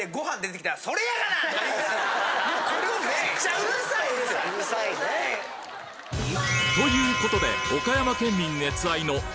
うるさいね。ということで岡山県民熱愛のうわ。